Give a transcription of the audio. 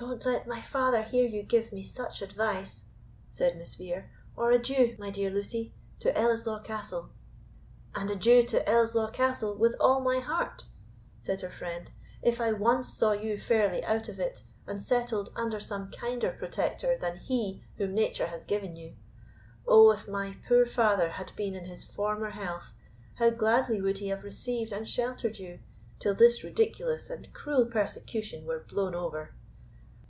"Don't let my father hear you give me such advice," said Miss Vere, "or adieu, my dear Lucy, to Ellieslaw Castle." "And adieu to Ellieslaw Castle, with all my heart," said her friend, "if I once saw you fairly out of it, and settled under some kinder protector than he whom nature has given you. O, if my poor father had been in his former health, how gladly would he have received and sheltered you, till this ridiculous and cruel persecution were blown over!"